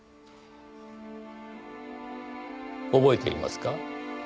覚えていますか？